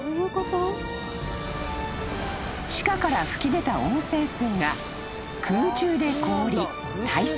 ［地下から噴き出た温泉水が空中で凍り堆積］